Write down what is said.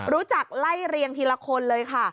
รู้จักไล่เรียงทีละคนเลยค่ะ